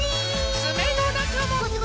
つめのなかも。